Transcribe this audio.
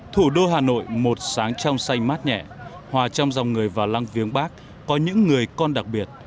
thủ đô hà nội một sáng trong xanh mát nhẹ hòa trong dòng người vào lăng viếng bắc có những người con đặc biệt